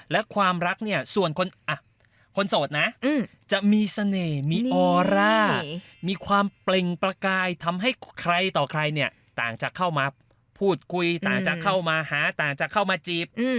และความรักเนี่ยส่วนคนโสดนะจะมีเสน่ห์มีออร่ามีความเปล่งประกายทำให้ใครต่อใครเนี่ยต่างจะเข้ามาพูดคุยต่างจะเข้ามาหาต่างจะเข้ามาจีบ